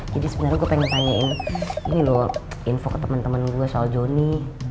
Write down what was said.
jadi sebenarnya gua pengen tanyain ini loh info ke temen temen gua soal jonny